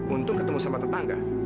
untung ketemu sama tetangga